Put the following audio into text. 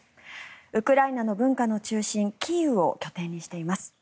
ウクライナの文化の中心キーウを拠点にしています。